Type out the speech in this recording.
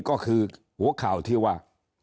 ก็คือหัวข่าวที่ว่า